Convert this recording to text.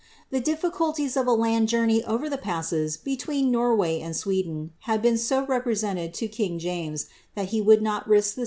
The difficulties of a land journey over the passes between Norway and Sweden had been so represented to king James, that he * Spottiswoode.